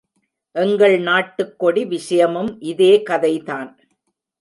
எங்கள் நாட்டுக் கொடி விஷயமும் இதே கதை தான்!